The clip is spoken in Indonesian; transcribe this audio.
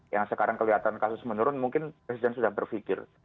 yang sekarang kelihatan kasus menurun mungkin presiden sudah berpikir